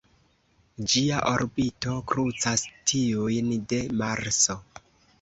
Ĝia orbito krucas tiujn de Marso.